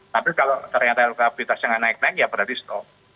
tapi kalau ternyata elektabilitasnya nggak naik naik ya berarti stop